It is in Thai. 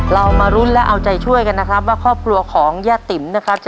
เรามารุ้นและเอาใจช่วยกันนะครับ